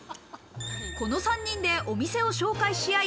この３人でお店を紹介し合い